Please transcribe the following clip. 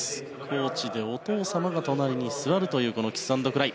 コーチでお父様が隣に座るというキスアンドクライ。